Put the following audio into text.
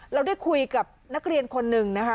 เราได้คุยกับนักเรียนคนหนึ่งนะคะ